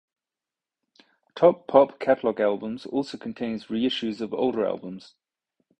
Top Pop Catalog Albums also contains reissues of older albums.